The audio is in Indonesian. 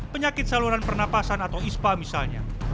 penyakit saluran pernapasan atau ispa misalnya